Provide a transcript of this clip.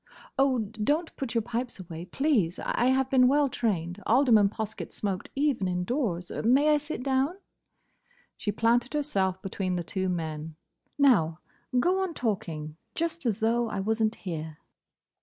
"Oh—don't put your pipes away, please. I have been well trained. Alderman Poskett smoked even indoors. May I sit down?" She planted herself between the two men. "Now, go on talking, just as though I was n't here."